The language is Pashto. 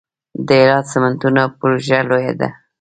د هرات سمنټو پروژه لویه ده